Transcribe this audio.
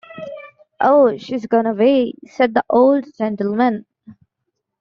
‘Oh, she’s gone away,’ said the old gentleman.